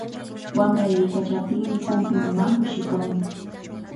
Wamra ayqiykachaptinmi humpin umanpa shikwamun.